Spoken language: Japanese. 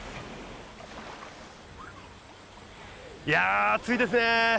いや暑いですね！